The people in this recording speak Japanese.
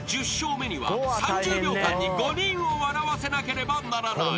目には３０秒間に５人を笑わせなければならない］